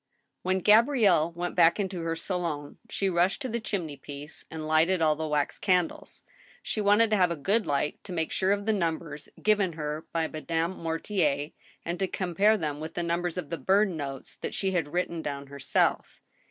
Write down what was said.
When Gabrielle went back into her saUm^ she rushed to the chiifiney piece and lighted all the wax candles. She wanted to have a good light to make sure of the numbers given her by Madame Mortier, and to compare them with the num bers of the burned notes that she had written down herself.